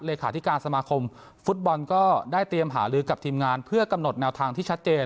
เลขาธิการสมาคมฟุตบอลก็ได้เตรียมหาลือกับทีมงานเพื่อกำหนดแนวทางที่ชัดเจน